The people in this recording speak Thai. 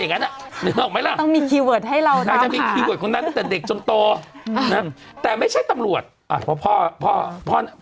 คุณฝันรักโรงเรียน